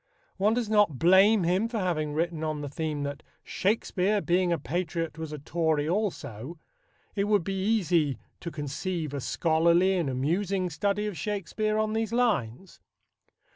One does not blame him for having written on the theme that "Shakespeare, being a patriot, was a Tory also." It would be easy to conceive a scholarly and amusing study of Shakespeare on these lines.